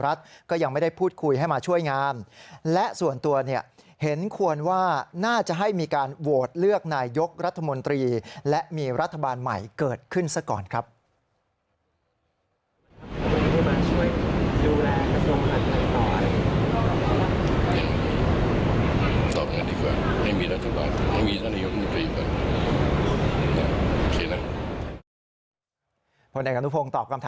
พวกแดงกันทุพงตอบคำถามอีกหนึ่งเรื่อง